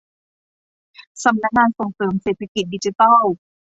สำนักงานส่งเสริมเศรษฐกิจดิจิทัล